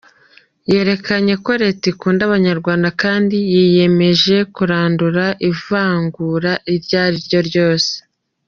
Yerekanye ko leta ikunda Abanyarwanda kandi yiyemeje kurandura ivangura iryo ari ryo ryose.